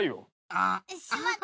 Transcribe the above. あっ。